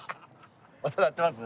音鳴ってます？